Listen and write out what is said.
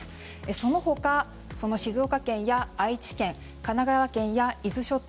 その他、静岡県や愛知県神奈川県や伊豆諸島